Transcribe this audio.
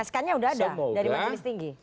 sk nya sudah ada dari majelis tinggi